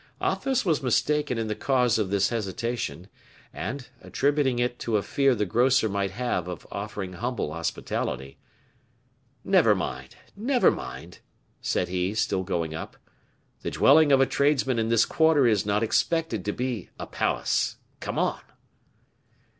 Athos was mistaken in the cause of this hesitation, and, attributing it to a fear the grocer might have of offering humble hospitality, "Never mind, never mind," said he, still going up, "the dwelling of a tradesman in this quarter is not expected to be a palace. Come on."